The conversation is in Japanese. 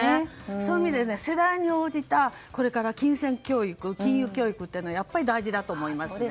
そういう意味で世代に応じた金銭教育金融教育は大事だと思いますね。